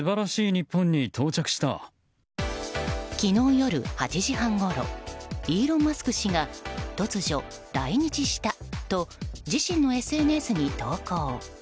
昨日夜８時半ごろイーロン・マスク氏が突如、来日したと自身のＳＮＳに投稿。